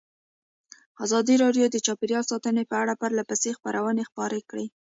ازادي راډیو د چاپیریال ساتنه په اړه پرله پسې خبرونه خپاره کړي.